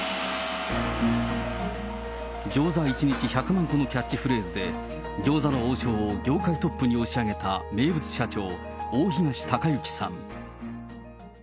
餃子一日１００万個のキャッチフレーズで、餃子の王将を業界トップに押し上げた名物社長、大東隆行さん。